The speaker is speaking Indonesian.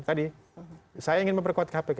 tadi saya ingin memperkuat kpk